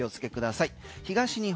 お気をつけください。